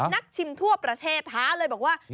ชิมทั่วประเทศท้าเลยบอกว่า